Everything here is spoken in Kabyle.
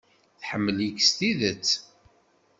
Tḥemmel-ik s tidet.